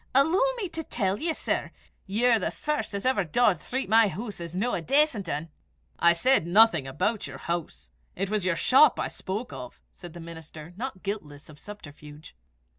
"Alloo me to tell ye, sir, ye're the first 'at ever daured threep my hoose was no a dacent ane." "I said nothing about your house. It was your shop I spoke of," said the minister, not guiltless of subterfuge.